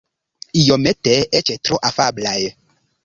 Iomete eĉ tro afablaj.